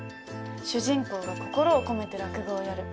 主人公が心を込めて落語をやる。